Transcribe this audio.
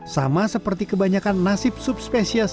sama seperti kebanyakan nasib subspesies